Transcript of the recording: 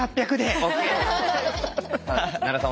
奈良さん